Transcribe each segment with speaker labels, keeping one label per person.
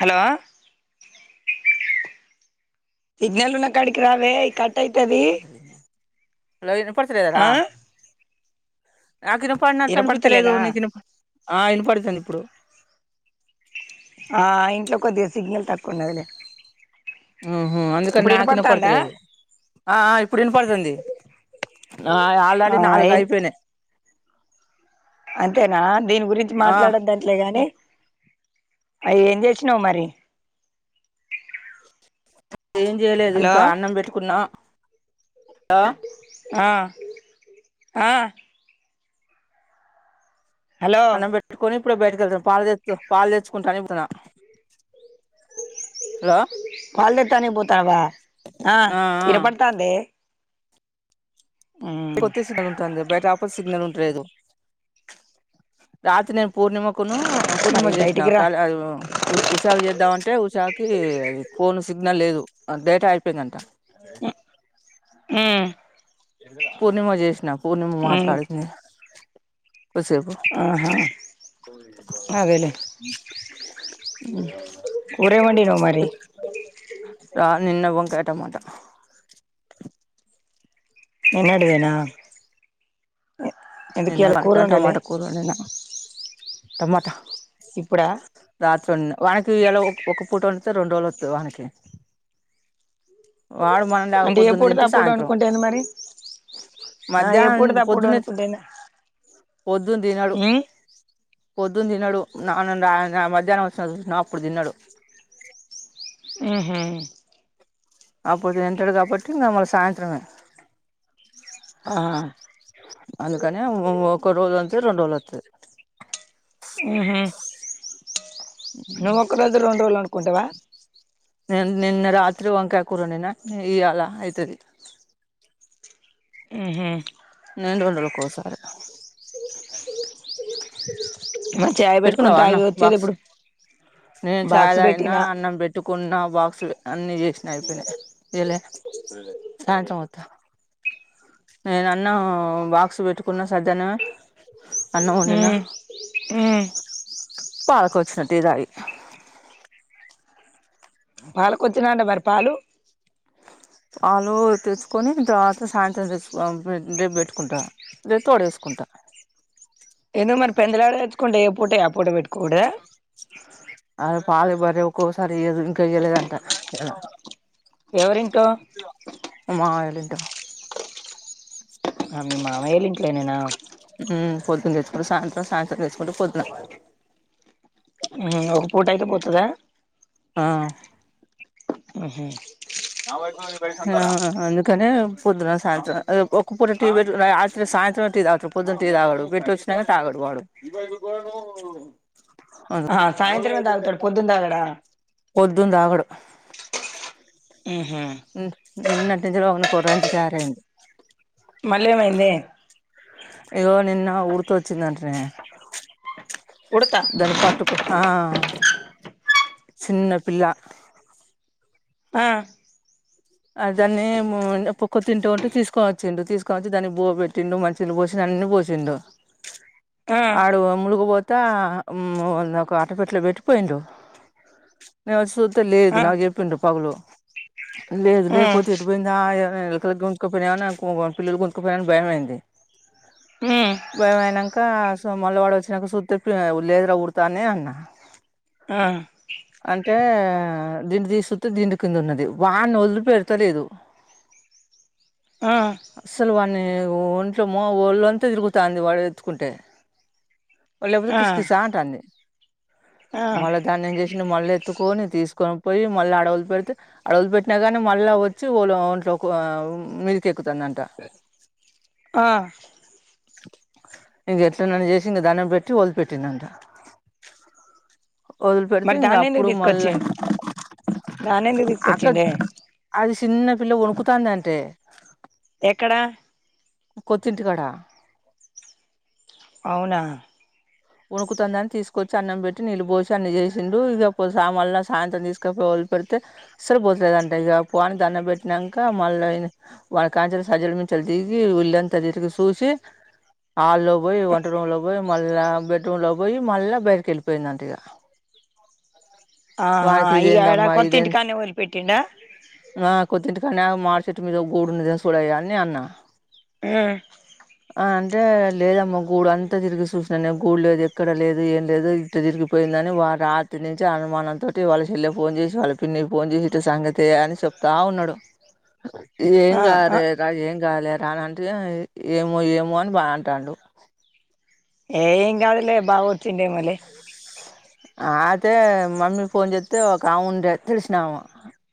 Speaker 1: Hello signal ఉన్న కడికి రావే కట్ అయితది
Speaker 2: హలో వినపడుతులేదా
Speaker 1: ఆ
Speaker 2: నాకిన పడినట్టు అనిపించలేదు
Speaker 1: ఇనపడతలేదా
Speaker 2: నీకు ఆ వినపడుతుంది ఇప్పుడు
Speaker 1: ఆ ఇంట్లో కొద్దిగా సిగ్నల్ తక్కువ ఉన్నది లే
Speaker 2: మ్మ్ హ్మ్ అందుకని నాకు వినపడతలేదు ఆ ఇప్పుడు వినపడుతుంది ఆ ఆల్రెడీ
Speaker 1: ఆ
Speaker 2: నాలుగు
Speaker 1: ఏ
Speaker 2: అయిపోయినాయి
Speaker 1: అంతేనా దీని గురించి
Speaker 2: ఆ
Speaker 1: మాట్లాడదంట్లే గాని అవి ఏం చేసినావు మరి
Speaker 2: ఏం చేయలేదు
Speaker 1: హలో
Speaker 2: ఇంకా అన్నం పెట్టుకున్నాం
Speaker 1: ఆ ఆ హలో
Speaker 2: అన్నం పెట్టుకొని ఇప్పుడు బయటక వెళ్తును పాలు తె పాలు తెచ్చుకుంటనికి పోయినా హలో
Speaker 1: తని పోతావా ఆ వినపడుతందె
Speaker 2: కొత్త సిగ్నల్ ఉంటుంది బయట ఆపర్ సిగ్నల్ ఉంటలేదు రాత్రి నే పూర్ణిమకును
Speaker 1: మరి
Speaker 2: పూర్ణిమ చేసిన
Speaker 1: బయటికి రా
Speaker 2: కాల్ ఉషాగ చేద్దాం తే ఉషాకి ఫోన్ సిగ్నల్ లేదు డేటా అయిపోయిందంట
Speaker 1: మ్మ్
Speaker 2: పూర్ణిమా చేసినా పూర్ణిమా
Speaker 1: మ్మ్
Speaker 2: మాట్లాడింది కూసేపు
Speaker 1: ఆహా అదేలే
Speaker 2: మ్మ్
Speaker 1: కూర ఏం వండినావ్ మరి
Speaker 2: ఆ నిన్న వంకాయ టమాటా
Speaker 1: నిన్నటి దేనా
Speaker 2: ఎన్న నాక
Speaker 1: వండలే
Speaker 2: టమాటా కూర వండిన టమాటా
Speaker 1: ఇప్పుడా
Speaker 2: రాత్ర ఉన్న వానకి ఇలా ఒక పూట వండు రెండు రోలు వస్తుంది వానకి వాడు మనం
Speaker 1: అంటే
Speaker 2: లేకపోద్దున్న
Speaker 1: ఎప్పుడు
Speaker 2: తింటే
Speaker 1: తప్పుడు
Speaker 2: సాయంత్రం
Speaker 1: అనుకుంటేంది మరి ఆ
Speaker 2: మధ్యాహ్నం
Speaker 1: ఎప్పుడు తప్పుడు
Speaker 2: పొద్దున్నే
Speaker 1: అనుకుంటేంది
Speaker 2: పొద్దున్న తినడు
Speaker 1: ఉమ్
Speaker 2: పొద్దున్న తినడు నాన్నన్న నా మధ్యాహ్నం వస్తున చూసిన అప్పుడు తిన్నాడు
Speaker 1: మ్మ్ హ్మ్
Speaker 2: అప్పుడు తింటాడు కాబట్టి మల్ల ఇగ సాయంత్రమే
Speaker 1: ఆహా
Speaker 2: అందుకనే ఒక రోజులు అంత రెండు రోజులు వస్తది
Speaker 1: మ్మ్ హ్మ్ నువ్ ఒక రోజు రెండు రోజులు అనుకుంటావా
Speaker 2: న నిన్న రాత్రి వంకయ కురా వండిన నిన్న ఈ అలా అయితది
Speaker 1: మ్మ్ హ్మ్
Speaker 2: నేంటండడు ఓకో సారీ
Speaker 1: మా చాయ్ పెట్టుకొని
Speaker 2: పెట్టుకున్నావా అన్నం
Speaker 1: తాగి వచ్చేది
Speaker 2: బాక్స్
Speaker 1: ఇప్పుడు
Speaker 2: నేను చాయ
Speaker 1: బాక్స్
Speaker 2: తాగిన
Speaker 1: పెట్టినా
Speaker 2: అన్నం పెట్టుకు కున్నా బాక్స్ అన్ని చేసినా అయిపోయినాయి ఎళ సాయంత్రం పోతా నేన అన్న బాక్స్ పెట్టుకున్నా సధ్యనే
Speaker 1: మ్మ్ మ్మ్
Speaker 2: పాలకి వచ్చిన టీ తాగి
Speaker 1: పాలకి వచ్చిన అంటే మరి పాలు
Speaker 2: ఆలు తెచ్చుకొని తర్వాత సాయంత్రం తెసుడేబ పెట్టుకుంటా లేే తోడ వేసుకు కుంట
Speaker 1: ఏదో మరి పెందలాడ వచ్చుకుంటే ఏ పూట ఆ పూట పెట్ట
Speaker 2: [inaudible] ఆ పాల బర్రె ఒక్కోకసారి ఇయ్యదు ఇంకా ఇయ్యలేదంట.
Speaker 1: ఎవరింట్లో
Speaker 2: మా మామయ్య ఇంట
Speaker 1: ఆ మీ మామయోల ఇంట్లనేేనా
Speaker 2: మ్మ్ పొద్దున తెచ్చుకుంటే సాయంత్రం, సాయంత్రం తెచ్చుకుంటే పోద్దున
Speaker 1: మ్ ఒక పూట అయితే పోతదా?
Speaker 2: ఆ
Speaker 1: హ్మ్ హు
Speaker 2: ఆ అందుకనే పొద్దున సాయంత్రం అదె ఒక పూట టీ పెట్టు రాత్రి సా యంత్రమే టీ తాగంతడు, పొద్దున్న తాగడు పెట్టి వచ్చిన గాని తాగడు వాడు.
Speaker 1: ఆ సాయంత్రమే తాగుతాడు పొద్దున తాగడా
Speaker 2: పొద్దున తాగడు
Speaker 1: ఉహు
Speaker 2: మ్ నిన్నటి నించో రంది తయారయంది
Speaker 1: మళ్ళెమైందే?
Speaker 2: ఇగో నిన్న ఉడ్త వచ్చిందంటనే, ప్చ్
Speaker 1: ఉడత
Speaker 2: దాని పట్టుకు ఆఁ చిన్న పిల్ల
Speaker 1: ఆఁ
Speaker 2: ఆ దాన్ని మో పొక్క తింటూ ఉంటే తీసుకోని వచ్చిండు, తీసుకొనొచ్చి దానికి బువ్వ పెట్టిండు, మంచి నీళ్ళు పోసిండు. అన్ని పోసిండు.
Speaker 1: [inaudible]
Speaker 2: ఆడు ములుగు బో తే మ్మ్ ఒక అట్ట పెట్లె పెట్టి పోయిండు. నేను వొచ్చి సూ తే లేదు
Speaker 1: ఆ
Speaker 2: నాకు చెప్పిండు పగులు. లేదు
Speaker 1: ఆ
Speaker 2: లేపోతే ఎటు పోయిందా అయో అని ఎలుకలు గుంజుక పోయినయా, ననుకొ పిల్లులు గుంజుక పోయినయా అని భయమైంది.
Speaker 1: ఉమ్
Speaker 2: భయమైనాంకా మల్ల వాడు వొచ్చినంక సూత్తే, లేదు రా ఉడుత అని అన్నా.
Speaker 1: ఆ
Speaker 2: అంటే దిండు తీసి సూత్తే దిండు కింద ఉన్నది వా ణ్ణి వదిలి పెడుతలేదు.
Speaker 1: ఆ
Speaker 2: అస్సలు వాణ్ణి ఒంట్లో ఒళ్ళంతా తిరుగుతాంది వాడు ఎత్తుకుంటే. లేపోతే
Speaker 1: ఆ
Speaker 2: కిస్ కిసా అంటాంది.
Speaker 1: ఆ
Speaker 2: మళ్ళ దాన్ని ఏం చేసిండు మళ్ళ ఎత్తుకు పోని తీసుకొనిపోయి మళ్ళ ఆడ వదిలిపెడితే ఆడ వదిలిపెట్ ట్న కానీ మళ్ళ వోచ్చి ఓలా ఓంట్లో కొ మీదికి ఎక్
Speaker 1: ఆఁ
Speaker 2: ఇంగ ఎట్లనన్న చేసి ఇంగ దండం పెట్టి వదిలిపెట్టిండంటా వదిలి పెడితే
Speaker 1: మరి
Speaker 2: ఇంకా
Speaker 1: దాన్ని ఎందుకు
Speaker 2: అప్పుడు మళ్ళా
Speaker 1: తీసుకొచ్చిండు దాన్ని ఎందుకు
Speaker 2: అకక్
Speaker 1: తీసుకొచ్చిండే
Speaker 2: అది చిన్న పిల్ల వణుకుతాంది అంటే.
Speaker 1: ఎక్కడా
Speaker 2: కొత్తింటికాడా.
Speaker 1: అవునా
Speaker 2: వణుకుతుందని తీసుకొచ్చి అన్నం పెట్టి, నీళ్ళు పోసి, అన్ని చేసిండు. ఇగ సా మళ్ల సాయంత్రం తీసుకపో పెడితే సలు పోతలేదంట ఇగ పో అని దండం పెట్టినంక మళ్ళ ఇని వాణి కాంచేలి సజ్జలు మీ దించెలి దిగి ఒళ్ళంత తిరిగి సూసి
Speaker 1: [inaudible]
Speaker 2: హాల్లో బొయి వంట రూం లో బోయి మళ్ళా బెడ్రూంలకు బోయి, మళ్ళ బయటికి ఎళ్ళిపోయిందంట ఇగా.
Speaker 1: ఆహా
Speaker 2: వాణ్కి
Speaker 1: ఇగ ఆడ
Speaker 2: ఇదేందమ్మా
Speaker 1: కొత్త
Speaker 2: ఇదేం
Speaker 1: ఇంటికాన్నే వదిలిపెట్టిండా
Speaker 2: మా కొత్తింటి ఇక్కన్నే మాడి చెట్టుమీద గూడు ఉన్నదేమో సూడయ్యా అని నే అన్నా.
Speaker 1: ఆఁ
Speaker 2: ఆ అంటే లేదమ్మ గూడు అంతా తిరిగి చూసిన నే గూడు లేదు ఎక్కడ లేదు ఏం లేదు ఇటు తిరిగిపోయిందని వాడు రాత్రి నుంచి అనుమానంతోటి వాళ్ళ చెల్లెకు ఫోన్ చే సి వాళ్ళ పిన్నికి ఫోన్ చేసి ఇట్ట సంగతే అని చెప్తా ఉన్నాడు. ఏం
Speaker 1: ఆ ఆ
Speaker 2: గారే రా ఏం కాలే తానంటే ఏమో ఏమో అని బా అంటాండు
Speaker 1: యే ఏం కాదులే బావోచ్చిండే ఏమోలే
Speaker 2: అత్తే మమ్మీ ఫోన్ చేస్తే ఒక ఆమె ఉండే తెలిసినామ.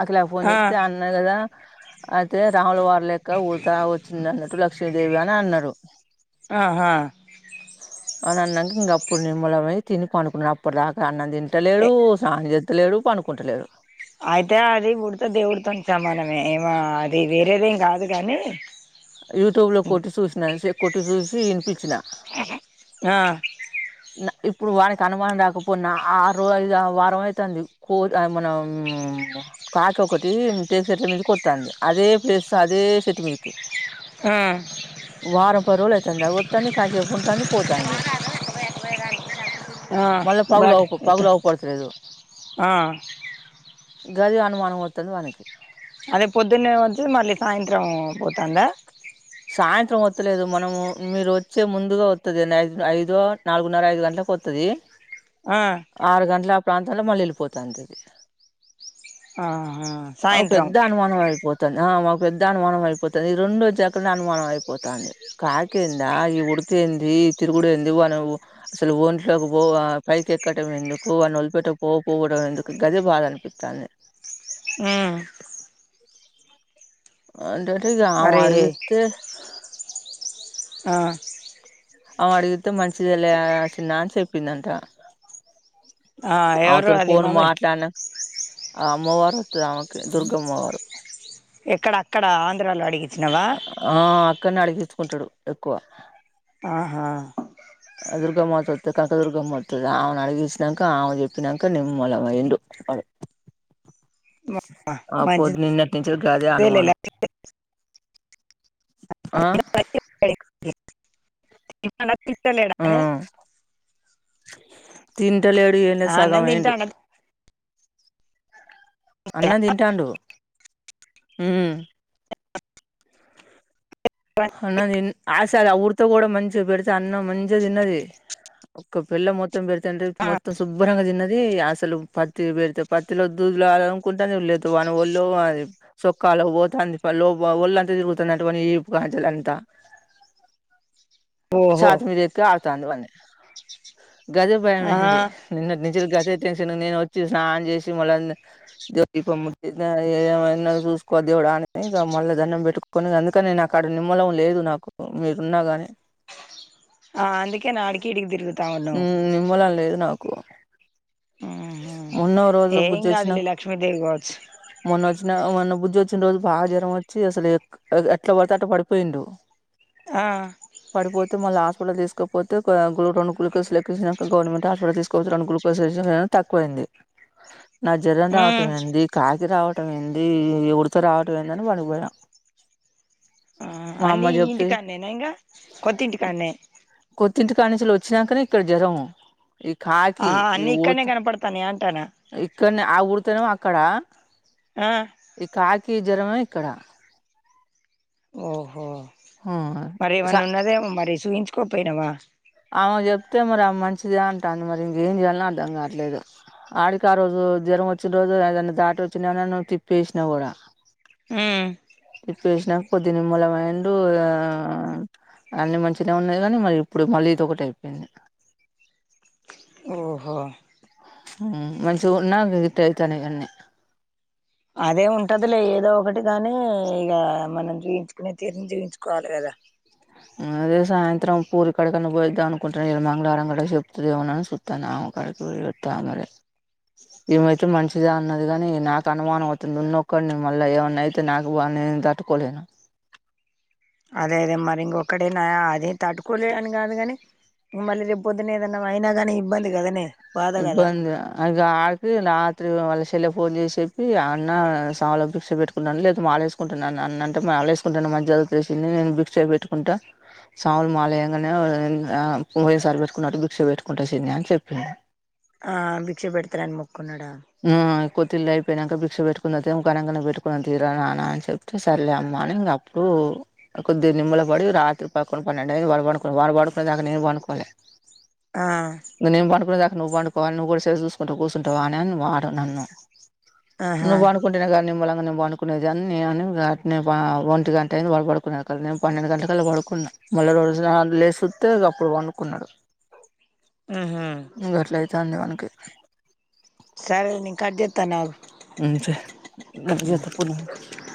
Speaker 2: అఖిలాకి ఫోన్
Speaker 1: ఆ
Speaker 2: చేస్తే అన్నా కదా అ తే రాముల వారు లెక్క ఊడతా వచ్చింద అన్నట్టు లక్ష్మీదేవి అని అన్నరు.
Speaker 1: ఆహా
Speaker 2: అని అన్నంక అప్పుడు నిమ్మలమై తిని పనుకున్నాడు, అప్పుదాకా అన్నం
Speaker 1: ఎ
Speaker 2: తింటలేడు స్నానం చే లేడు పనుకుంటలేడు
Speaker 1: అయితే అది ముడితే దేవుడితోని సమానమే ఏమ అది వేరేదేం కాదు గాని.
Speaker 2: యూట్యూబ్ లో కొట్టి చూసిన చె కొట్టి చూసి వినిపించినా.
Speaker 1: ఆ
Speaker 2: నా ఇప్పుడు వానికి అనుమానం రాకపోనా ఆ ఆరు ఐదు వారం అయితాంది కో మనం కాకి ఒకటి టేకు చెట్ల మీదకి కొత్తాంది అదే ప్లేస్ అదే సెట్ మీదకి.
Speaker 1: ఆ
Speaker 2: పరువులయతాంది వత్తాది కాసేపు ఉంటుంది పోతంది.
Speaker 1: ఆ
Speaker 2: మళ్ళా పగులు
Speaker 1: బాట్
Speaker 2: అవు
Speaker 1: ఎత్త
Speaker 2: పగులు అవుపడుతు లేదు.
Speaker 1: ఆ
Speaker 2: గదే అనుమానం అవుతది మనకి
Speaker 1: అదే పొద్దున్నే వచ్చి మళ్ళీ సాయంత్రం పోతందా.
Speaker 2: సాయంత్రం వత్తలేదు మనము మీరు వచ్చే ముందుగా వత్తది, ఐదు ఐదో నాలుగున్నర ఐదు గంటలకు వొత్తది. దే
Speaker 1: ఆ
Speaker 2: ఆరు గంటల ఆ ప్రాంతంలో మళ్ళీ వెళ్ళిపోతంది అది.
Speaker 1: ఆహా
Speaker 2: అవ్
Speaker 1: సాయంత్రం
Speaker 2: పెద్ద అనుమానం అయిపోతంది ఆ మాకు పెద్ద అనుమానం అయిపోతది ఈ రెండు జ అక్కన్నే అనుమానం అయిపోతంది కాకియెంద ఈ ఉడితేంది తిరుగుడుయేంది వానవ్ అసలు. ఒంట్లోకి పో పైకి ఎక్కడం ఎందుకు వాని వలిపెట్ట పో పోవడం ఎందుకు గదే బాధ అనిపితంది.
Speaker 1: ఆ
Speaker 2: ఆల్రెడీ ఇగ ఆమే
Speaker 1: మరి
Speaker 2: అడిగితే
Speaker 1: ఆ
Speaker 2: ఆమె అడగితే మంచిగా లే చిన్న అని చెప్పిందంట.
Speaker 1: ఆ ఎవరు
Speaker 2: అవతల
Speaker 1: అది
Speaker 2: పోన్
Speaker 1: మమ్మీ
Speaker 2: మాట్లాన్న ఆ అమ్మవారు వతది ఆమెకి దుర్గ అమ్మవారు
Speaker 1: ఇక్కడ ఆంధ్రాలో అడిగిత్
Speaker 2: ఆ అక్కన్నే అడిగించుకుంటాడు ఎక్కువ
Speaker 1: ఆహా
Speaker 2: దుర్గమ్మతుంది కనక దుర్గమ్మతది ఆమెను అడిగించినాక ఆమె చెప్పాక నిమ్మలమయిండు.
Speaker 1: [inaudible]
Speaker 2: ఆ పొద్దు
Speaker 1: మంచిదే
Speaker 2: నిన్న నుంచి గాదే
Speaker 1: లే
Speaker 2: అనుమానం ఆ
Speaker 1: ఈ పండక్కి
Speaker 2: ఆ
Speaker 1: ఇత్తలేడనే
Speaker 2: తింటలేడు ఇన్నే సగం
Speaker 1: అన్నం
Speaker 2: అయిండు
Speaker 1: తింటాడు
Speaker 2: అన్నం తింటండు ఉ అన్నది అసల్ ఆ ఉడతా కూడా మంచిగా పెడితే అన్నమ్ మంచిగా తిన్నది. ఒక్క పిల్ల మొత్తం పెడాతంటే మొత్తం శుభ్రంగా తిన్నది ది అసలు పత్తి బెడితే పత్తిలో దూదిలో అనంకుంటంది లేదు వాని ఒళ్ళో అది సొక్కా వాళ్ళకు పోతాంది పళ్లోబ ఒళ్ళంతా తిరుగుతాంది అంట వాని ఈప్ బాజులంత
Speaker 1: ఓహో
Speaker 2: చుతుమీది ఎక్కి ఆడ్ వ గదే [unintelligible]
Speaker 1: ఆ
Speaker 2: భయమేసింది నిన్నటి నుంచ్ జర్ గతే టెన్షన్ నేను వచ్చి స్నానమ్ చేసి [unintelligible] చూసుకో దేవుడా అని ఇ మళ్ళ దండం పెట్టుకొని అందుకని నే నా క్కడ నిమ్మలం లేదు నాకు మీరున్నాగాని
Speaker 1: ఆ అందుకేనా అడికి ఇడికి దిరుగ్
Speaker 2: ఉ నిమ్మలమ్ లేదు నాకు మొన్న ఓ రోజు
Speaker 1: ఏం
Speaker 2: బుజచ్చిన
Speaker 1: కాదులే లక్ష్మీదేవి కావచ్చు
Speaker 2: మన వ మన బుద్ధి వచ్చిన రోజు బగ జరం వచ్చి అసలు ఎట్లా పడితే అట పడిపోయిండు
Speaker 1: ఆ
Speaker 2: మళ్ళ హాస్పిటల్ తీసుకపోతే రెండు గులుకోసులు ఎక్కించినాక గవర్మెంట్ హాస్పిటల్ తీసుకోతే రెండు గులుకోసుకు వేసినక తక్కువయింది నా జరం రావటం
Speaker 1: ఉమ్
Speaker 2: ఏంది కా ఇది రావటం ఏంది ఎవరితో రావటం ఏందని అడిపోయాం
Speaker 1: అన్ని ఈ ఇంటికాన్నేనా ఇంకా కొత్త ఇంటికాన్న
Speaker 2: ఇంటి కానించలు వచ్చినాకనే ఇక్కడ జ్వరం ఈ కాకి ఈ ఊడత
Speaker 1: తనే అంటానా
Speaker 2: ఆ ఊడితేనేమో అక్కడ
Speaker 1: ఆ
Speaker 2: క జ్వరమా ఇక్కడ
Speaker 1: ఓహో మరి ఏమన్న ఉన్నదే మరి చూపించుకోపోయినావ
Speaker 2: ఆమె చెప్తే మరి ఆ మంచిదే అంటుంది మరి ఇంకేం చేయాలలో అర్థం కావట్లేదు ఆడికి ఆ రోజు జ్వరం వచ్చిన రోజు ఏద దాటి వచ్చిన తిప్పేసినా కూడా
Speaker 1: ఆ
Speaker 2: ఇ పేసినాక పొదిని నిమ్మలఅయిండు అన్ని మంచినే ఉన్నాయి కానీ మరి ఇప్పుడు మళ్ళీ ఇది ఒకటి అయిపోయింది
Speaker 1: ఓహో
Speaker 2: మంచిగా ఉన్నా ఇట అయితనయీ అన్ని
Speaker 1: అదే ఉంటదిలే ఏదో ఒకటి గాని ఇక మనం చూపించుకుని తీరుని చూయిచుకోవాలి కదా
Speaker 2: అదే సాయంత్రం పూరి కడకన్నా పోయిద్దాం అనుకుంటున్నాను ఇ మంగళారం కదా చెప్తుందిమనని చూస్తానా కడకి వ వెతు మరి [inaudible] ఇమా అయితే మంచిద అన్నది కాని నాకు అనుమానం అవుతుంది ఉన్నొక్కడు నేను మళ్ళా ఏమన్నా అయితే నాకుా నేను తట్టుకోలేను
Speaker 1: అదే అదే మరి ఇంకొకడేనా అదే తట్టుకోలే అని కాదు కాని ఇంకా రేపు పొద్దున్న ఏదైనా అయినగనే ఇబ్బంది అదనే
Speaker 2: ఇబ్బంది [inaudible] ఫోన్ చేసి చెప్పి ఆ అన్న సలో పిక్ష పెట్టుకుంటన్నాను లేదా మా ఆ వేసుకుంటున్నాన్న అన్న అంటే మాలా వేసుకుంటాను మధ్య తెసింది నేను బిక్యి పెట్టుకుంటా సాములు మాలయ్యగానే పోయేసారి పెట్టుకున్నట్టు బిక్ష పెట్టుకుంటా చిన్ని అని చెప్పిన [inaudible]
Speaker 1: ఆ భిక్ష పెడతాఅని ముఖ
Speaker 2: ఆ కోతిలా పోయినాక భిక్ష పెట్టుకుని ఇంకానక పెట్టుకుని తీర నాన్న అని చెప్తే సర్లే అమ్మాని ఇంక అప్పుడు కొద్ది నిమ్మల పడి రాత్రి పక్కొండు పన్నెండు అయిది వడు పడుకో వడు పడుకునే దాక నేను పనుకోలీ
Speaker 1: ఆ
Speaker 2: నేను పండుకునే దాకా నువ్వు పండుకోవా నువ్వు కూడా సెల్లు చూసుకుంట కుసుంటవ అనే వాడు నన్ను
Speaker 1: ఆహా
Speaker 2: నువ్వు అనుకుంటున్నా నిమ్మళంగా పండుకునేదిన్ని ఒంటి గంట అయింది పడ పడుకునేన్నా కదా నేను పన్నెండు గంటలకిలా పడుకున్నా మళ్ళీ లేసి చూస్తే ఇగ అప్పుడు పండుకునడు
Speaker 1: ఉహు
Speaker 2: గట్లాయితంది వాడికి
Speaker 1: సరే నేను కట్ చెత్తని ఆగు
Speaker 2: ఉమ్ సరే [inaudible]